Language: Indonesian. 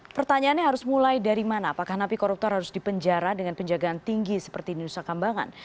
pertanyaannya harus mulai dari mana apakah napi koruptor harus dipenjara dengan penjagaan tinggi seperti nusa kambangan